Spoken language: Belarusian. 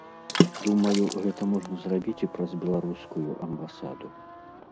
Думаю, гэта можна зрабіць і праз беларускую амбасаду.